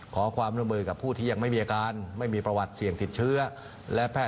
ขอความร่วมมือกับผู้ที่ยังไม่มีอาการไม่มีประวัติเสี่ยงติดเชื้อและแพทย